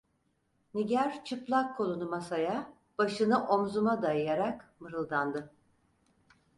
Nigar çıplak kolunu masaya, başını omzuma dayayarak mırıldandı.